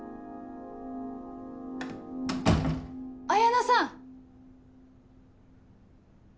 彩菜さん！